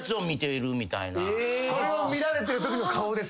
それを見られてるときの顔ですか。